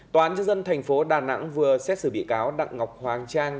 tòa án dân dân thành phố đà nẵng vừa xét xử bị cáo đặng ngọc hoàng trang